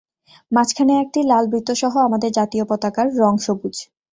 মাঝখানে একটি লাল বৃত্তসহ আমাদের জাতীয় পতাকার রং সবুজ।